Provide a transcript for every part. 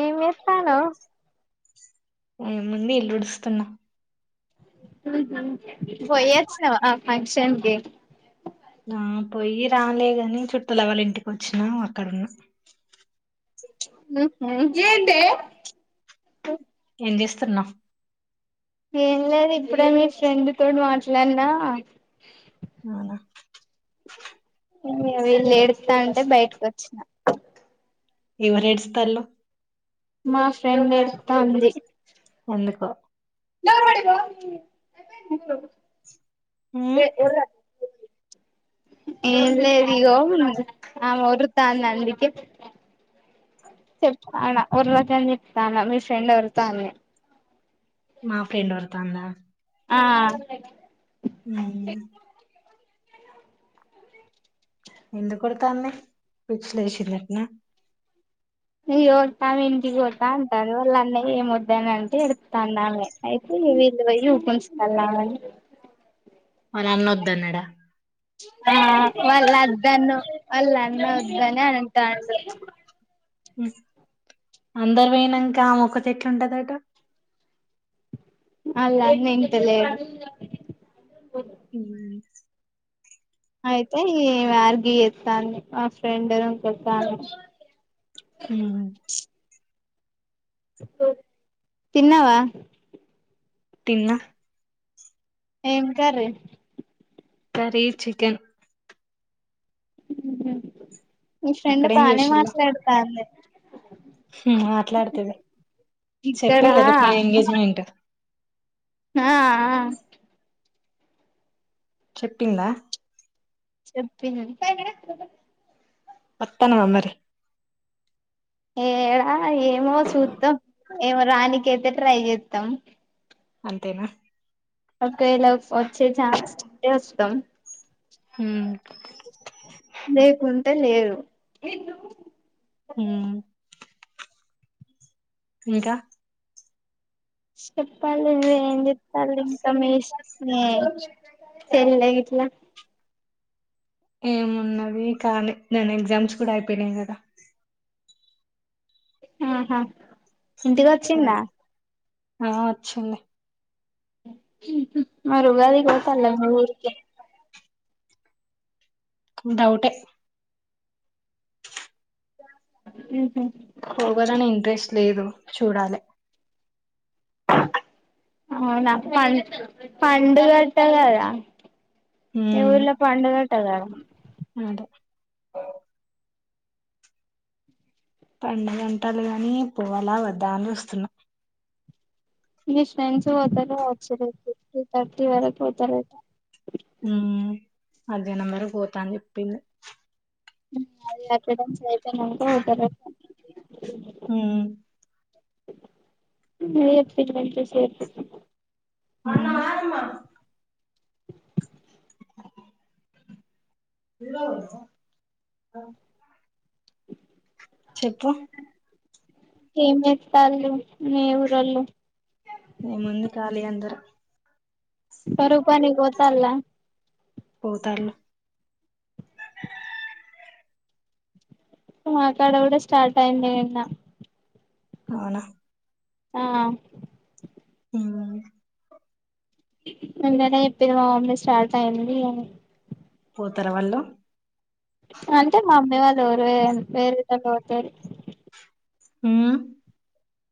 ఏమెత్తనవ్ ఏముంని ఇల్లుడుస్తున్నా ఉహు, పొయ్యచ్చిన్నవ ఆ ఫంక్షన్కి ఆ పోయ్యి రాలే గని చుట్టూల వాళ్ళింటికి వచ్చ్నాం అక్కరున్న హుహు, ఏంటే ఏ జేస్తున్నా ఏం లేదు ఇప్పురే మీ ఫ్రెండ్ తోడ్ మాట్లాన్నా అవునా ఇమ్మి వీళ్ళు ఏడుత్తాంటే బైటకికీ వచ్చినా ఎవరేడుస్తల్లు మా రెండ్ ఏడుత్తాంది. ఎందుకో డ ఉమ్ ఏం లేదు ఇగోమ్, ఆమె వదురుత్తాన్ అందుకే, చెప్పాన ఊర్లో చదివిత్తానవ్ మీ ఫ్రెండ్ ఎవరుతో అని మా ఫ్రెండ్ ఒత్తాంద ఆ హు ఎందు కొడతాంని, ఫిచ్లెసింద్ అట్న ఇ కొడతా వినికి కొడతా అంటారు వాళ్ళ అన్న ఏం వద్దనంటే ఎడ్తాండమే అయితే వీళ్ళు పోయి ఊపించుతళ్ళామని వాళ్ళ అన్నోద్ద్దన్నడా వాళ్ళ వద్దన్నో వాళ్ళన్న వద్దనే అంటాండు అందరూ వేయ్ నంక ఆవొక్కటి ఎట్ల ఉంటదట ఆల్లాన్నింటేలే ఉ అయితే ఈ వర్గ్ ఎత్తాంది, మా ఫ్రెండ్ ఇంకొత్త అన్నడు. హుమ్ తిన్నావా తిన్న ఏం కర్రీ కరీ చికెన్ మీ ఫ్రెండ్ అక్కడ ఏం బానే చేసిందో మాట్లాడుతాంది హు మాట్లాడుతది ఇక్కడ చెప్పిళ్ల రేపు మా ఎంగేజ్మెంట్ ఆ ఆ చెప్పిందా చెప్పిన వత్తవా మరి ఏ డా ఏమొ చూద్దాం ఏం మోరానిక అయితే ట్రై చేస్తాం అంతేనా ఒకేళ వచ్చే ఛాన్స్ంటే వస్తాం హుమ్ దేకున్ టే లేదు ఉం ఇంకా చెప్పాలి ఏంచేత్తలింకా మీ షెల్లే చెల్లె గిట్లా ఏమున్నది కానీ నేను ఎగ్జామ్స్ కూడా అయిపోయినై కదా ఆహా ఇంటికి వచ్చింద ఆ వచ్చింది ఉహు మరి ఉగాది పోతళ్ల మీ ఊరికి డౌటే ఉహు పోగాలని ఇంట్రెస్ట్ లేదు చూడాలే అవునా ప పండుగట్ట కదా మీ ఉమ్ ఊర్లో పండుగట్ట కద అదే పండుగంటలు గాని పోవలా వద్దా అని చూస్తున్నా మీ ఫ్రెండ్స్ పోతారుకవచ్చు రేపు త్రి థర్టీ వరకు పోతారట ఉం మధ్యహ్నం వరకు పోతాని చెప్పింది అది కట్టడం సేఫ్ తారు హుమ్ మీరే చెప్పిర్రు గా ఇంతసేపు [inaudible] ఆ [inaudible] హు చెప్పు ఏం చేత్తళ్ళు మి వూరొళ్ళు ఏముంది కాలీ అందరూ కరువు పనికి పోతాళ్ల పోతళ్లు మాకాడ కూడా స్టార్ట్ అయింది నిన్న అవునా ఆ ఉమ్ నిన్ననే చెప్పిది మా మమ్మీ స్టార్ట్ అయింది అని పోతర వాళ్లు అంటే మా మమ్మీ వాళ్ళు వేరే దగ్గరికి పోతారు హూ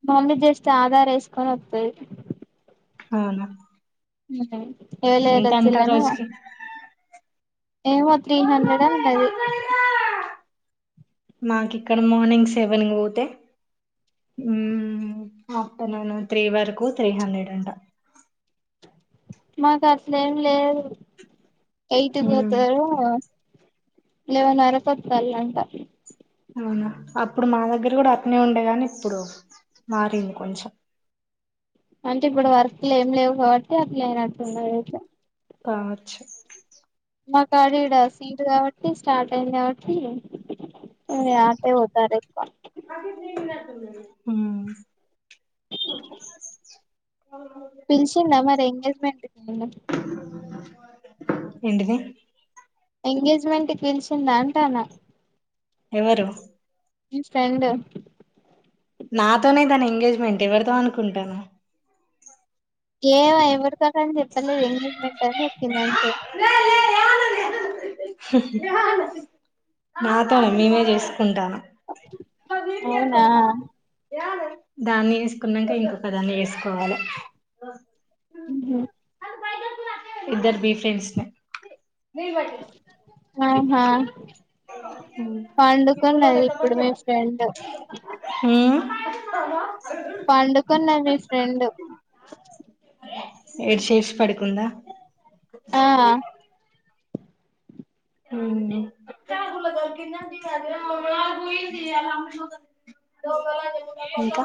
మమ్మీ జస్ట్ ఆధార వేసుకొని వత్తది అవునా హూ లేటు ఎంత వచ్చి అంటా కానీ రోజుకి ఏమో త్రీ హండ్రెడ్ డైలీ ఉంటది మాకు ఇక్కడ మార్నింగ్ సెవెన్ పోతే ఆఫ్టర్నూన్ త్రీ వరకు త్రీ హండ్రెడ్ అంట మాకు అసలేం లేదు ఎయిట్ ఉమ్ పోతారు లేవన్ వరకు వత్తల్లు అంట అవునా అప్పుడు మా దగ్గర కూడా అట్టనే ఉండేగాని ఇప్పుడు మారింది కొంచెం అంటే ఇప్పుడు వర్క్లు ఏమి లేవు కాబట్టి అట్లే అయినట్టు ఉన్నాయి ఐతే కావచ్చు మా కాడ ఇడ హిట్ కాబట్టి స్టార్ట్ అయింది కాబట్టి అట్టే పోతారు ఎక్కువ కాఫీ చేసినట్టు ఉంది హా పిలిచిందా మరి ఎంగేజ్మెంట్ కి ఎంటిది ఎంగేజ్మెంట్ పిలిచింద అంటానా ఎవరు ని ఫ్రెండ్ నాతోనే తన ఎంగేజ్మెంట్ ఎవరితో అనుకుంటాను ఏమో ఎవరితో కేం చెప్పలేదు ఎంగేజ్మెంట్ అని కింద లే లే రానంటివే మాతోనే మేమే చేస్ ఉంటాను అవునా దాన్ని వేసుకున్నాక ఇంకొకదాన్ని వేసుకోవాలి ఊహూ ఇద్దరు డీప్ ఫ్రెండ్స్ న వాటి ఆహా పండుకున్నది ఇప్పుడు మీ ఫ్రెండు ఉమ్ పండుకున్న మీ ఫ్రెండ్ ఏడ్చేసి పడి కుందా ఆ హ్మ్ పోయింది ఇయాల [unintelligible] ఇంకా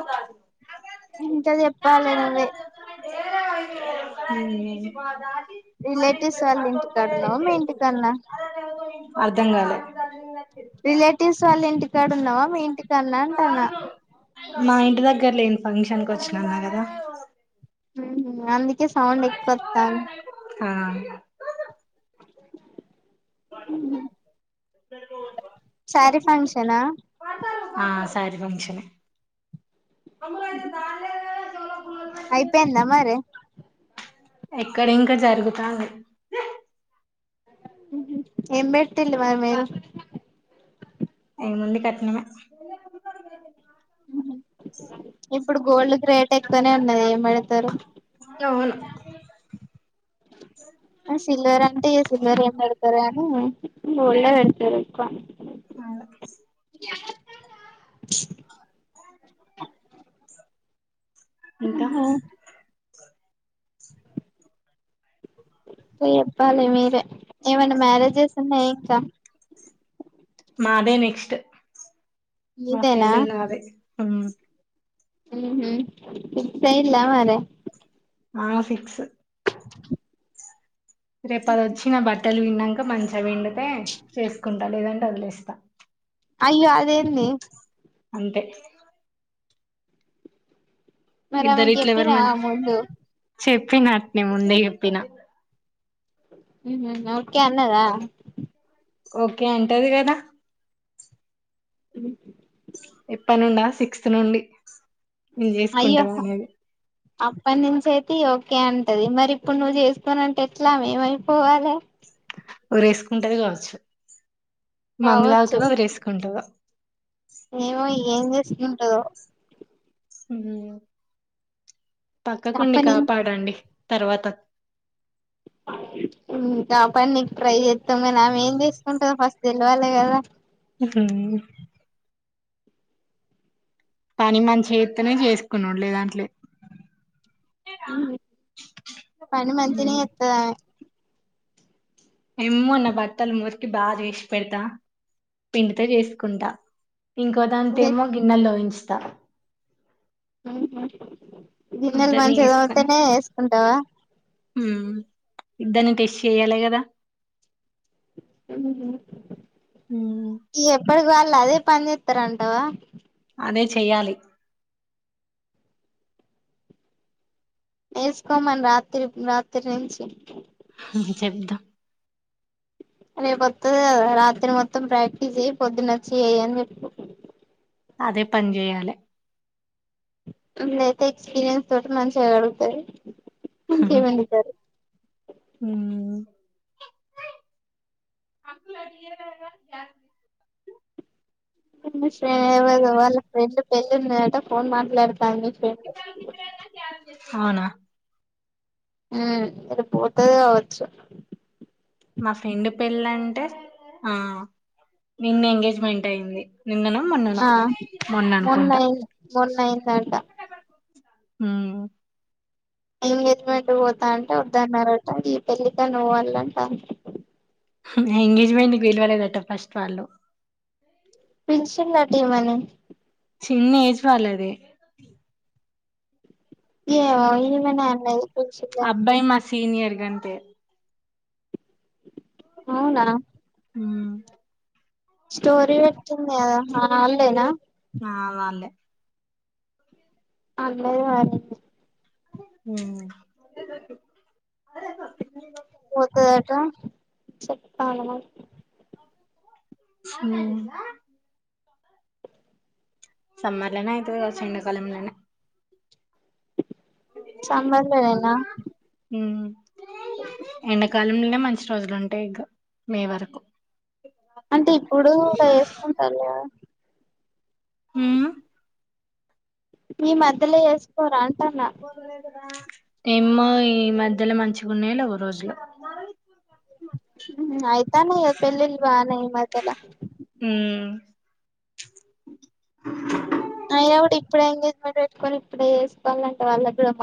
ఇంకా చెప్పాలి నువ్వే ఉమ్ రిలేటివ్స్ వాళ్ళు ఇంటికాడ ఉన్నావా మీ ఇంటి కాడ నా అద్ ధ్ధం కాలే వాళ్ళింటికాడున్నావా మీ ఇంటి కాడ నా అంటానా మా ఇంటి దగ్గరలేను ఫంక్షన్ కొచ్చినాం కదా ఊహూ అందుక్ కే సౌండ్ ఎక్కువొత్తాంది ఆ హ సరే శారి ఫంక్షనా ఆ శారి ఫంక్షనే అయిపోయిందా మరి ఎక్కడ ఇంకా జరుగుతాంది ఏం పెట్టిండు మరి మీరు ఏముంది కట్నమే ఇప్పుడు గోల్డ్ కు రేట్ ఎక్కువనే ఉన్నది మరి అవును ఆ సిల్వర్ అంటే ఏ సిల్వర్ ఏం పెడతారే హుం గోల్డే పెడతారు ఎక్కువ అవును [unintelligible] [inaudible] ఇంకా చెప్పాలి మీరే ఏమైనా మ్యారేజెస్ ఉన్నాయా ఇంకా మాదే నెక్స్ట్ మా మీదేనా ఫ్రెండుది నాదే అం ఊహూ ఫిక్స్ అయ్యిందా మరి ఆ ఫిక్స్ [inaudible] రేపదొచ్చి మా బట్ బట్టలు విన్నంక మంచిగా విండితే చేసుకుంటా లేదంటే వదిలేస్తా అయ్యో అదేంది అంతే మరి ఆమెకి ఎప్పినావ ముందు చెప్పినట్ నె ముందే చెప్పిన ఊహం ఓకే అన్నదా ఓకే అంటది కదా ఉ ఎప్పట్నుండా సిక్స్త్ నుండి నువ్వు అయ్యో చేసుకుంటావా అనేది అప్పటి నుంచి అయితే ఓకే అంటది మరి ఇప్పుడు నువ్వు చేసుకోనంటే ఎట్లా ఆమె ఏమైపోవాలి ఊరేసుకుంటేది కావచ్చు మందుదాగుతదో ఉరేస్కుంటాదో ఏమోయి ఏం చేసుంటదో ఉం పక్కకుండి అప్పటి నుంచి కాపాడండి తర్వాత కా పన్ని ట్రై చెత్తాం కాని ఆమె ఏం చేసుకుంటందో ఫస్ట్ తేల్వాలే కదా ఉహుం పని మంచి ఎతునే చేసుకున్నడు లే దాంట్లేదు పని మంచిగనే ఎత్తది ఆమె ఏమోన్న బట్టాలు మురికి బాగా చేసి పెడతా పిండితో చేసుకుంటా ఇంకో దాంతొ ఆమె ఏమో గిన్నెలుదోయించి టఫ్ ఉ ఉ ఉ గిన్నెలు ఇద్దరిని మంచిగ వేసుకొని తోముతనే వేసుకుంటవా ఇద్దర్ని టెస్ట్ చెయ్యాలె కదా ఊహు ఇగ ఎప్పటికి వాళ్ళు అదే పని చేత్తరంటవా అదే చేయాలి వేసుకోమని రాత్రి రాత్రి నుంచి చెప్తా రేపు వత్తది కదా రాత్రి మొత్తం ప్రాక్టీస్ చెయ్యి పొద్దునచ్చి చెయ్యి అని చెప్పు అదే పని చేయాలే [unintelligible] అయితే ఎక్స్పీరియన్స్ తోటి మంచిగ గడుగుతరు మంచిగ వండుతరు ఊ ఎవరిది వాళ్ళు ఫ్రెండ్ పెళ్ళున్నదట ఫోన్ మాట్లాడతాంది మీ ఫ్రెండు అవునా ఊ రేపు పోతది కావచ్చు మా ఫ్రెండ్ పెళ్ళంటే ఆ నిన్న ఎంగేజ్మెంట్ అయింది నిన్ననో మొన్ననో ఆ మొన్న అనుకుంటా మొన్నై మొన్నైందంట హూ ఎంగేజ్మెంట్ పోతా అంటే వద్దన్నాట ఈ పెళ్ళికన్న పోవాళ్ళంటంది ఎంగేజ్మెంట్ పిలవలేదట ఫస్ట్ వాళ్ళు పిలిశిల్లట ఈమెని చిన్న ఏజ్ వాళ్ళది ఏమో ఈమెనే అన్నది పిల్చింది అని అబ్బాయి మా సీనియర్ గంతే అవునా ఊ స్టోరీ వెట్టి ది కదా ఆ ఆళ్లేనా ఆ వాళ్ళే ఆళ్లదే [unintelligible] ఊ పోతదట చెప్పాలె మరి ఊ సమ్మర్లనే అయితది కావచ్చు ఎండా కాలంలనే సమ్మర్లనేనా ఊ ఎండకాలంలనే మంచి రోజులుంటే ఇక మే వరకు అంటే ఇప్పుడు వేసుకుంటారు హ మీ మధ్యలో వేసుకోరా అంటన్నా ఏమ్మ ఈ మధ్యలో మంచిగా ఉన్నాయా లేవ రోజులో ఆయతానే ఇ పెళ్ళిలు ఇ మధ్యలో హ అయినా కూడా ఇప్పుడు ఎంగేజ్మెంట్ పెట్టుకొని ఇప్పుడే చేసుకోవాలంటే వాళ్ళ కూడా